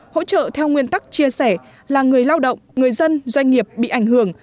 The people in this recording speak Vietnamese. hỗ trợ theo nguyên tắc chia sẻ là người lao động người dân doanh nghiệp bị ảnh hưởng